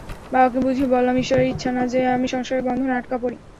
বাবাকে বুঝিয়ে বললাম যে, ঈশ্বরের ইচ্ছা না যে আমি সংসারের বন্ধনে আটকা পড়ি।